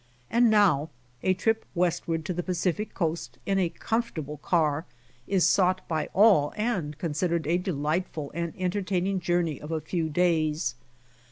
And now a trip West ward to the Pacific Coast in a comfortable car is sought for by all, and considered a delightful and entertaining journey of a few days.